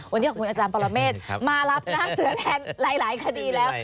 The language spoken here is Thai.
วันนี้ขอบคุณอาจารย์ปรเมฆมารับน้ำเสือแทนหลายคดีแล้ว